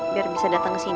biar bisa dateng kesini